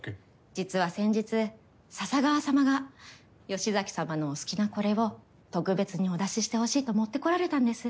・実は先日笹川様が吉崎様のお好きなこれを特別にお出ししてほしいと持ってこられたんです。